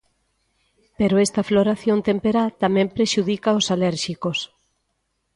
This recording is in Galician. Pero esta floración temperá tamén prexudica os alérxicos.